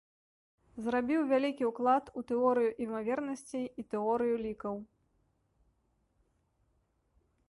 Зрабіў вялікі ўклад у тэорыю імавернасцей і тэорыю лікаў.